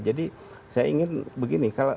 jadi saya ingin begini